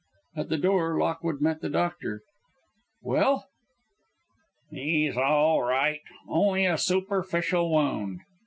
At the door Lockwood met the doctor: "Well?" "He's all right; only a superficial wound.